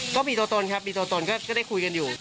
ก็มีตัวตนครับมีตัวตนก็ได้คุยกันอยู่